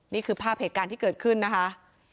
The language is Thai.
นี่คือภาพเหตุการณ์ที่เกิดขึ้นนะคะ